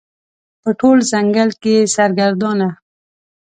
په ټول ځنګل کې یې سرګردانه